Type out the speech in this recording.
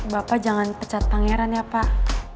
bapak jangan pecat pangeran ya pak